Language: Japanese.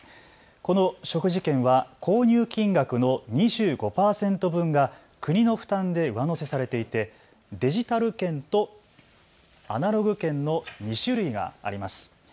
この食事券は購入金額の２５％分が国の負担で上乗せされていてデジタル券とアナログ券の２種類があります。